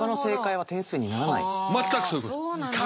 全くそういうことです。